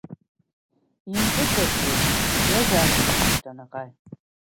Импыҵаӡуеит, иажәа аахижәеит Данаҟаи.